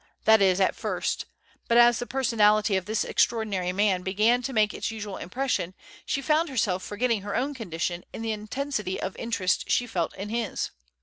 That is, at first, but as the personality of this extraordinary man began to make its usual impression, she found herself forgetting her own condition in the intensity of interest she felt in his.